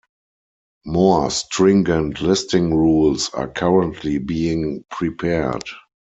More stringent listing rules are currently being prepared.